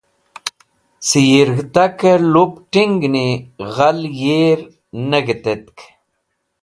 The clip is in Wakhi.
Cẽ yirg̃htakẽ lup t̃ingni ghal yir ne g̃hẽtetk.